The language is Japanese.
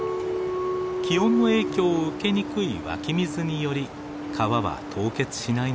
気温の影響を受けにくい湧き水により川は凍結しないのです。